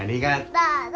どうぞ。